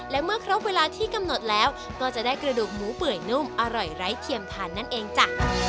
และเมื่อครบเวลาที่กำหนดแล้วก็จะได้กระดูกหมูเปื่อยนุ่มอร่อยไร้เทียมทานนั่นเองจ้ะ